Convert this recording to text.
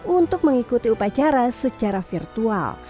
untuk mengikuti upacara secara virtual